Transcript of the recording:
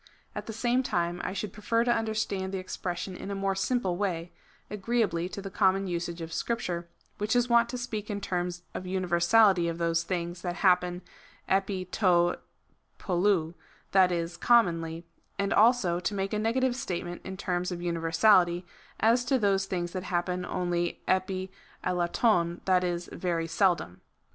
At the same time I should prefer to understand the expression in a more simple way, agreeably to the common usage of Scripture, which is wont to speak in terms of universality of those things that happen eTn to TTokv, that is commonly, and also to make a negative state ment in terms of universality, as to those things that happen only evrt eXarrov, that is very seldom.